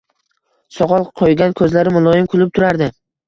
Soqol qoʻygan, koʻzlari muloyim kulib turardi.